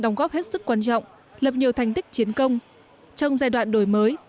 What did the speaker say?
đóng góp hết sức quan trọng lập nhiều thành tích chiến công trong giai đoạn đổi mới